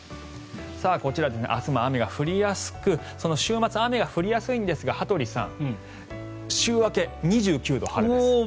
こちら、明日も雨が降りやすく週末、雨が降りやすいんですが羽鳥さん、週明け２９度、晴れです。